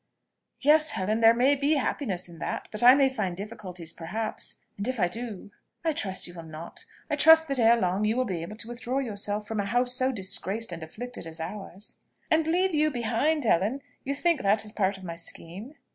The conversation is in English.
"Yes, Helen, there may be happiness in that; but I may find difficulties, perhaps: and if I do! " "I trust you will not. I trust that ere long you will be able to withdraw yourself from a house so disgraced and afflicted as ours!" "And leave you behind, Helen? You think that is part of my scheme?"